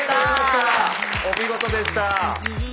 お見事でした。